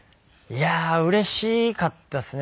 いやーうれしかったですね。